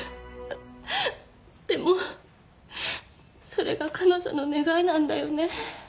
でもそれが彼女の願いなんだよね。